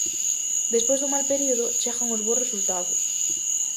Despois dun mal período, chegan os bos resultados.